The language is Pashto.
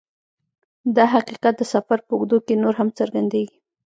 دا حقیقت د سفر په اوږدو کې نور هم څرګندیږي